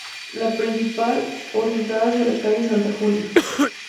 La principal, orientada hacia la calle Santa Julia.